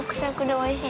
おいしい？